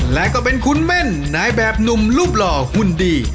และก็เป็นคุณแม่นนายแบบหนุ่มรูปหล่อหุ่นดี